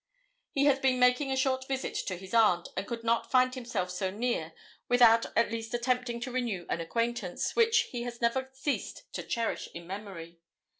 He has been making a short visit to his aunt, and could not find himself so near without at least attempting to renew an acquaintance which he has never ceased to cherish in memory.